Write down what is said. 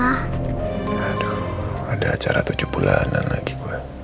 aduh ada acara tujuh bulanan lagi gue